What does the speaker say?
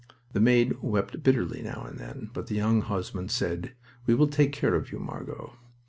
The maid wept bitterly now and then, but the young husband said: "We will take care of you, Margot.